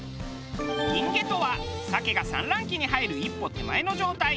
銀毛とは鮭が産卵期に入る一歩手前の状態。